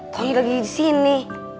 tonggi lagi disini